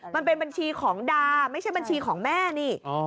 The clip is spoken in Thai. มันเป็นบัญชีของดาไม่ใช่บัญชีของแม่นี่